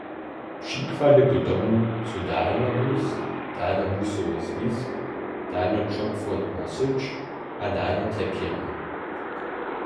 Přikłady k tomu su dalnobus, dalnobusowy zwisk, dalnoćopłotna syć a dalnotepjeny.